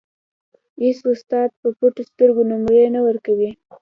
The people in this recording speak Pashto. اېڅ استاد په پټو سترګو نومرې نه ورکوي.